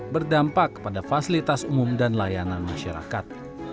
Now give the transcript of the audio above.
berdampak kepada fasilitas umum dan layanan masyarakat